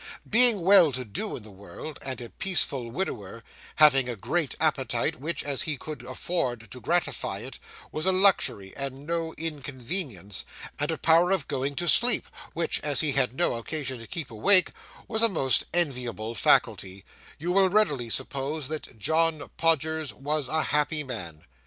Being well to do in the world, and a peaceful widower,—having a great appetite, which, as he could afford to gratify it, was a luxury and no inconvenience, and a power of going to sleep, which, as he had no occasion to keep awake, was a most enviable faculty,—you will readily suppose that John Podgers was a happy man.